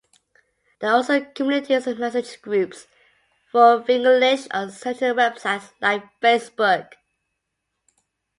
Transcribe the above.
There are also communities and message groups for Fingilish on certain websites like Facebook.